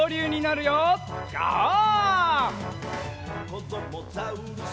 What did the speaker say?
「こどもザウルス